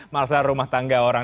mengasal rumah tangga orang